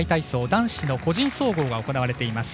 男子の個人総合が行われています。